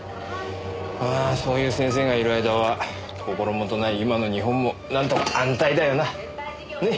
ああそういう先生がいる間は心もとない今の日本もなんとか安泰だよな。ね？